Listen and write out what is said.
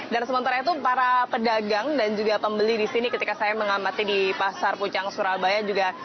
dan sementara itu para pedagang dan juga pembeli di sini ketika saya mengamati di pasar pucang surabaya juga